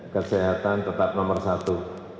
kesehatan tetap nomor satu